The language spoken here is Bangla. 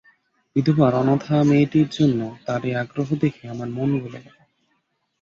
বিধবার অনাথা মেয়েটির জন্য তাঁর এই আগ্রহ দেখে আমার মন গলে গেল।